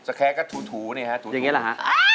สแคร๊สก็ถูนี่ฮะถูอย่างนี้หรือฮะ